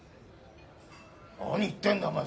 何言ってんだお前。